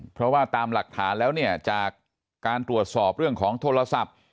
เพราะว่าตามหลักฐานแล้วเนี่ยจากการตรวจสอบเรื่องของโทรศัพท์